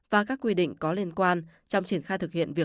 và các quy định có liên quan trong triển khai thực hiện việc